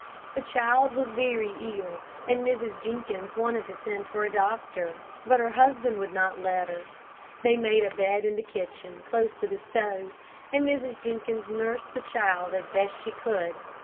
The child was very ill, and Mrs. Jenkins wanted to send for a doctor, but her husband would not let her. They made a bed in the kitchen, close to the stove, and Mrs. Jenkins nursed the child as best she could.